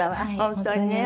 本当にね。